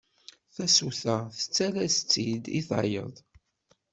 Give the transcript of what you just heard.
Tasuta tettales-itt-id i tayeḍ.